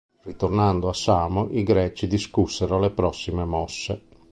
Ritornando a Samo i Greci discussero le prossime mosse.